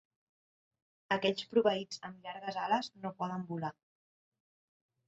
Aquells proveïts amb llargues ales no poden volar.